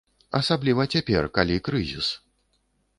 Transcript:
Асабліва цяпер, калі крызіс.